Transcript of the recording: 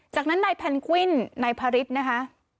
จากนั้นในแพลนกวิ่นในภริษนะคะ